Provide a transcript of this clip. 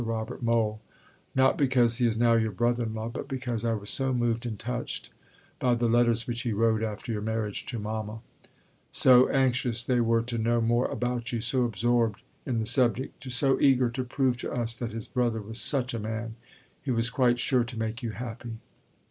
Robert Mohl, not because he is now your brother in law, but because I was so moved and touched by the letters which he wrote after your marriage to Mama; so anxious they were to know more about you, so absorbed in the subject, so eager to prove to us that his brother was such a man, he was quite sure to make you happy.